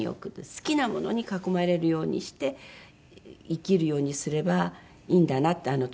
好きなものに囲まれるようにして生きるようにすればいいんだなってあの時。